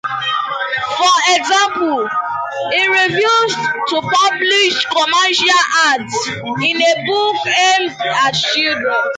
For example, he refused to publish commercial ads in a book aimed at children.